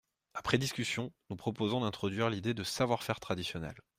Après discussion, nous proposons d’introduire l’idée de « savoir-faire traditionnel ».